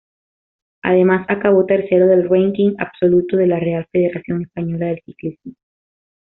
Además, acabó tercero del ranking absoluto de la Real Federación Española de Ciclismo.